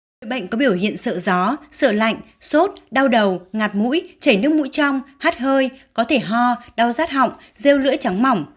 bệnh có biểu hiện sợ gió sợ lạnh sốt đau đầu ngạt mũi chảy nước mũi trong hát hơi có thể ho đau rát họng rêu lưỡi trắng mỏng